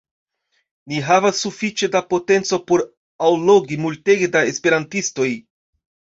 Ni havas sufiĉe da potenco por allogi multege da esperantistoj